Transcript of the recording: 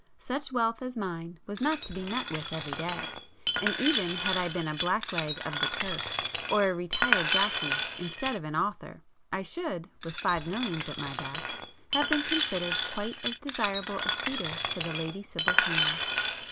Such wealth as mine was not to be met with every day,—and even had I been a blackleg of the turf or a retired jockey, instead of an 'author,' I should, with five millions at my back, have been considered quite as desirable a suitor for the Lady Sibyl's hand.